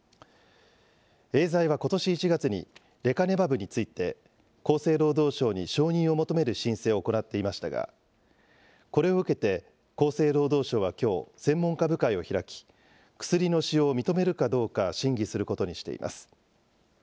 エーザイはことし１月に、レカネマブについて、厚生労働省に承認を求める申請を行っていましたが、これを受けて、厚生労働省はきょう、専門家部会を開き、薬の使用を認めるかどうか、審議することにしています。